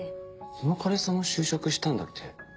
その彼氏さんも就職したんだって？